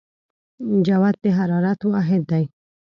جوت د حرارت واحد دی.